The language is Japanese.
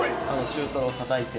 中トロをたたいて。